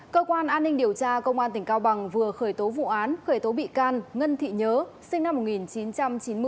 cơ quan an ninh điều tra công an tỉnh cao bằng vừa khởi tố vụ án khởi tố bị can ngân thị nhớ sinh năm một nghìn chín trăm chín mươi bốn